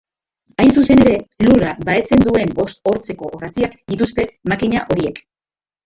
Hain zuzen ere, lurra bahetzen duen bost hortzeko orraziak dituzte makina horiek.